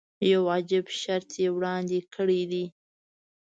یو عجیب شرط یې وړاندې کړی دی.